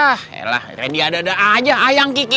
ah elah rendy ada ada aja ayang kiki